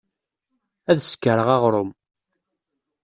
Ad sekreɣ aɣṛum.